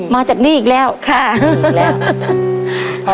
มาจากนี้อีกแล้วค่ะแล้ว